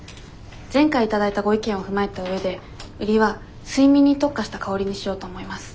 前回頂いたご意見を踏まえた上で売りは睡眠に特化した香りにしようと思います。